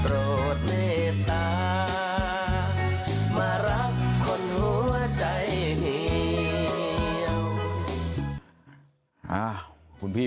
โรธเมตตามารักคนหัวใจเหี่ยว